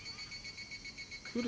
来る